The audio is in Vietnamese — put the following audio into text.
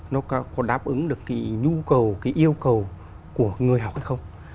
nó có đáp ứng được cái nhu cầu cái yêu cầu của người học hay không